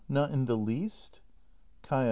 Not in the least? Kaia.